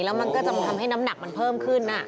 แล้วมันก็จะทำให้น้ำหนักมันเพิ่มขึ้น